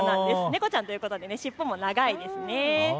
猫ちゃんということで尻尾も長いですね。